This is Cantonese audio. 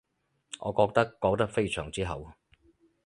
我覺得講得非常之好